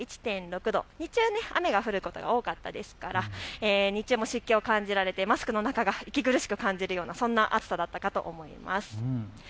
日中、雨が降ることが多かったですから日中も湿気を感じられてマスクの中が息苦しさを感じるようなそんな暑さだったと思います。